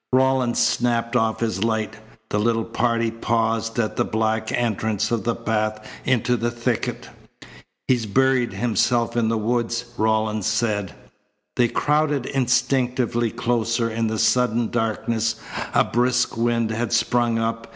Rawlins snapped off his light. The little party paused at the black entrance of the path into the thicket. "He's buried himself in the woods," Rawlins said. They crowded instinctively closer in the sudden darkness. A brisk wind had sprung up.